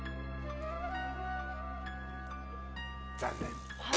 残念！